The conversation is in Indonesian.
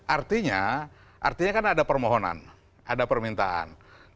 artinya artinya kan ada permohonan ada permintaan